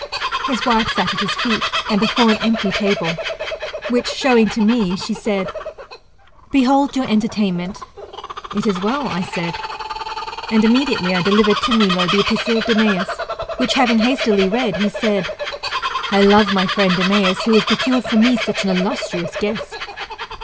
His wife sat at his feet, and before an empty table; which showing to me, she said, Behold your entertainment. It is well, I said, and immediately I delivered [to Milo] the epistle of Demeas, which having hastily read, he said, I love my friend Demeas, who has procured for me such an illustrious guest.